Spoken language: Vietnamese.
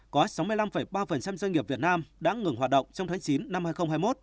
có sáu mươi năm ba doanh nghiệp việt nam đã ngừng hoạt động trong tháng chín năm hai nghìn hai mươi một